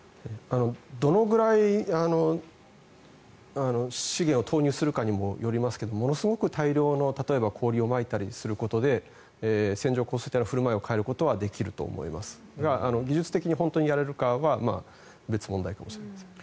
どのぐらい資源を投入するかによりますがものすごく大量の氷をまいたりすることで線状降水帯の振る舞いを変えることはできると思いますが技術的に本当にやれるかは別問題かもしれません。